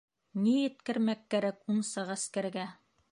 Ни еткермәк кәрәк унса ғәскәргә.